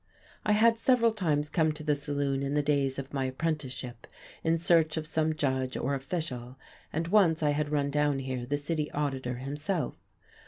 I had several times come to the saloon in the days of my apprenticeship in search of some judge or official, and once I had run down here the city auditor himself.